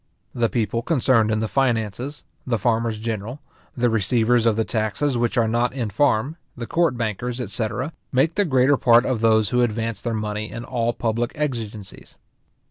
The people concerned in the finances, the farmers general, the receivers of the taxes which are not in farm, the court bankers, etc. make the greater part of those who advance their money in all public exigencies.